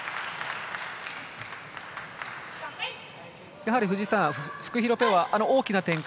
やはり藤井さん、フクヒロペアは大きな展開